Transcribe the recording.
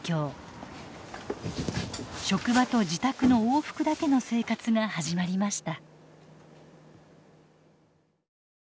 職場と自宅の往復だけの生活が始まりました。